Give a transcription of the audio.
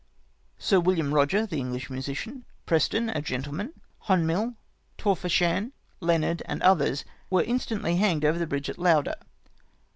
Sir William Koger, the English musician ; Preston, a gentleman, Hommil, Torphichan, Leonard, and others, were instantly hanged over the bridge at Lauder.